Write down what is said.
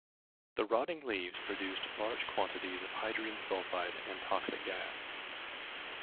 The rotting leaves produced large quantities of hydrogen sulfide, a toxic gas.